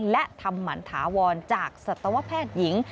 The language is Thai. และทำหมันถาวรจากสัตวแพทย์หญิง